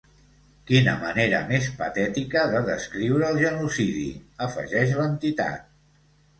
Quina manera més patètica de descriure el genocidi, afegeix l’entitat.